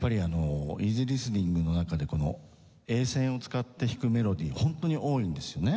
イージーリスニングの中でＥ線を使って弾くメロディーホントに多いんですよね。